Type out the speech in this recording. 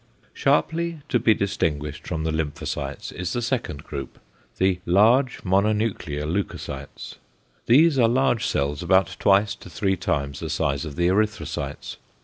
2. Sharply to be distinguished from the lymphocytes is the second group: the "large mononuclear leucocytes." These are large cells about twice to three times the size of the erythrocytes.